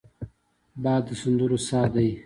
باد د سندرو سا دی